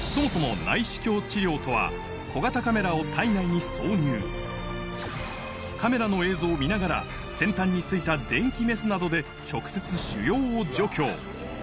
そもそもカメラの映像を見ながら先端に付いた電気メスなどで直接腫瘍を除去